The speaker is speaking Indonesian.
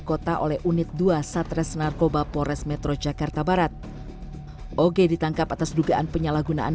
kota oleh unit dua satres narkoba pores metro jakarta barat og ditangkap atas dugaan penyalahgunaan